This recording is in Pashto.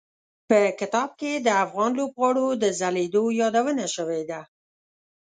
په کتاب کې د افغان لوبغاړو د ځلېدو یادونه شوي ده.